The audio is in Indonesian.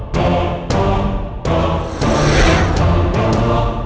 kamu bisa jadiin keras